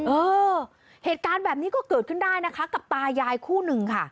เออเหตุการณ์แบบนี้ก็เกิดขึ้นได้นะคะกับตายายคู่หนึ่งค่ะ